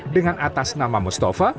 dengan atas nama mustafa